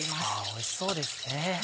おいしそうですね。